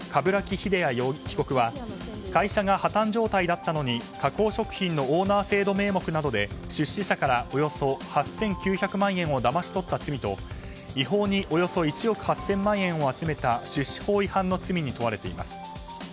鏑木秀弥被告は会社が破綻状態だったのに加工食品のオーナー名目で出資者からおよそ８９００万円をだまし取った罪と違法におよそ１億８０００万円を集めた出資法違反の罪に問われています。